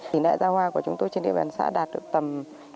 tỷ lệ ra hoa của chúng tôi trên địa bàn xã đạt được tầm chín mươi